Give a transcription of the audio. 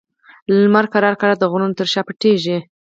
لمر ورو ورو د غرونو تر شا پټېږي.